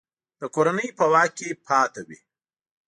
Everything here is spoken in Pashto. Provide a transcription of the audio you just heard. د کورنۍ په واک کې پاته وي.